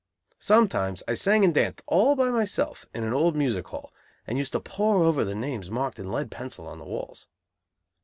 Sometimes I sang and danced, all by myself, in an old music hall, and used to pore over the names marked in lead pencil on the walls.